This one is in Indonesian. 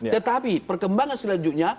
tetapi perkembangan selanjutnya